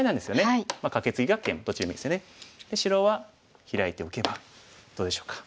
白はヒラいておけばどうでしょうか。